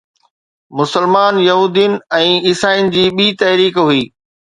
مسلمان يهودين ۽ عيسائين جي ٻي تحريڪ هئي